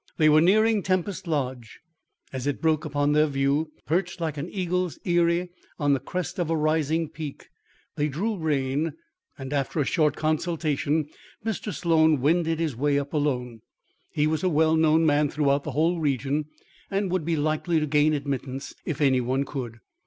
They were nearing Tempest Lodge. As it broke upon their view, perched like an eagle's eyrie on the crest of a rising peak, they drew rein, and, after a short consultation, Mr. Sloan wended his way up alone. He was a well known man throughout the whole region, and would be likely to gain admittance if any one could.